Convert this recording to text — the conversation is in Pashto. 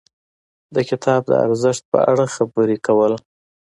د کتاب د ارزښت په اړه خبرې کول.